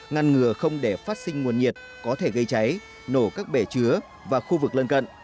ngăn ngừa không để phát sinh nguồn nhiệt có thể gây cháy nổ các bể chứa và khu vực lân cận